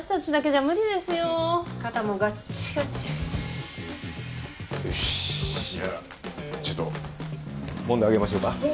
じゃあちょっともんであげましょうか？